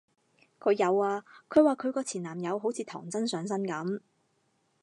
佢有啊，佢話佢個前男友好似唐僧上身噉